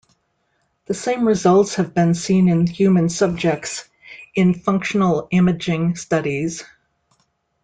The same results have been seen in human subjects in functional imaging studies.